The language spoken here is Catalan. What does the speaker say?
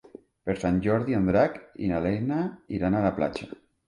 Per Sant Jordi en Drac i na Lena iran a la platja.